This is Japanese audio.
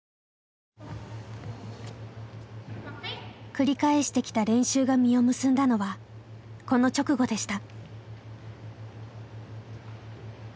繰り返してきた練習が実を結んだのはこの直後でした。